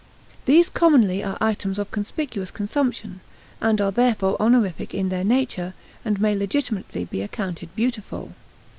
These commonly are items of conspicuous consumption, and are therefore honorific in their nature and may legitimately be accounted beautiful.